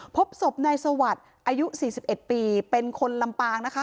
พบศพในสวัสดิ์อายุสี่สิบเอ็ดปีเป็นคนลำปางนะคะ